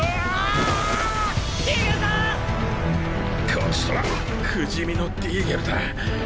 こちとら不死身のディーゲルだ。